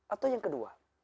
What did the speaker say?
atau yang kedua